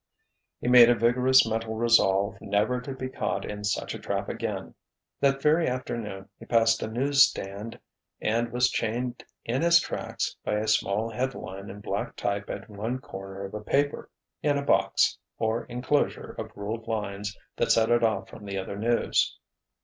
He made a vigorous mental resolve never to be caught in such a trap again. That very afternoon he passed a news stand and was chained in his tracks by a small headline in black type at one corner of a paper, in a "box," or enclosure of ruled lines that set it off from the other news.